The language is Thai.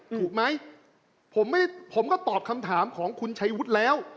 ถูกไหมผมก็ตอบคำถามของคุณชัยวุฒิแล้ว